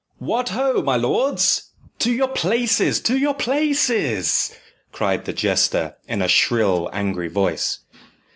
"What ho! my lords to your places! to your places!" cried the jester, in a shrill angry voice.